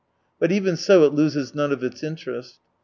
But even so, it loses none of its interest.